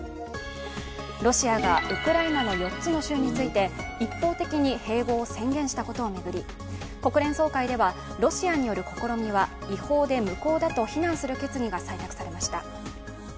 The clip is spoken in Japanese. ロシアがウクライナの４つの州について一方的に併合を宣言したことを巡り国連総会では、ロシアによる試みは違法で無効だと非難する決議が採択されました。